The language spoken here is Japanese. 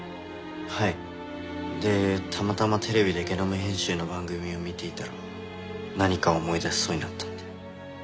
でたまたまテレビでゲノム編集の番組を見ていたら何かを思い出しそうになったんで。